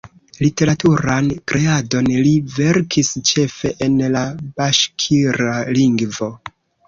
Literaturan kreadon li verkis ĉefe en la baŝkira lingvo.